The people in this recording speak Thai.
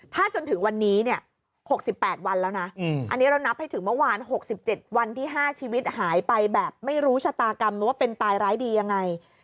ถ้าจนถึงวันนี้